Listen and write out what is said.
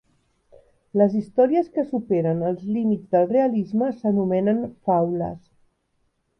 Les històries que superen els límits del "realisme" s'anomenen "faules".